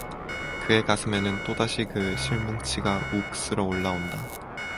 그의 가슴에는 또다시 그 실뭉치가 욱 쓸어 올라온다.